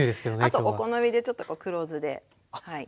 あとお好みでちょっと黒酢で味を締めて。